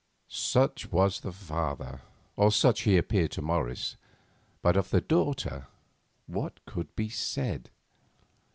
Such was the father, or such he appeared to Morris, but of the daughter what could be said?